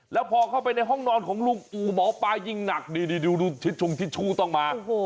แล้วพอเข้าไปในห้องนอนของลูงหมอป้ายิงหนางนี่ทิชชุกซ์ต้องมา